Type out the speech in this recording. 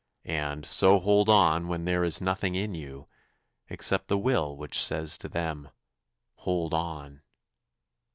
And so hold on when there is nothing in you Except the Will which says to them: 'Hold on!'